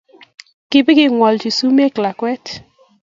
Kabigengwolji sumek lakwet